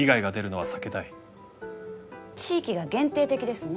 地域が限定的ですね。